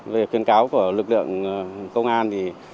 về khuyên cáo của lực lượng công an